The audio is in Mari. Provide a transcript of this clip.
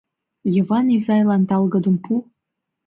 Йыван изайлан талгыдым пу...